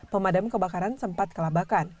pemadam kebakaran sempat kelabakan